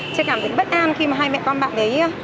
tôi cảm thấy bất an khi mà hai mẹ con bạn đấy